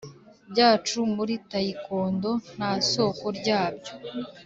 byacu muri tayikondo nta soko ryabyo